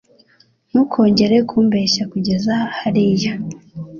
Ntukongere kumbeshya kujyeza hariya